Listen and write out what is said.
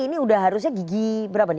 ini udah harusnya gigi berapa nih